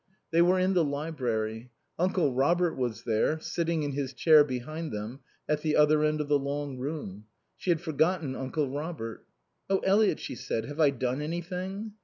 They were in the library. Uncle Robert was there, sitting in his chair behind them, at the other end of the long room. She had forgotten Uncle Robert. "Oh, Eliot," she said, "have I done anything?"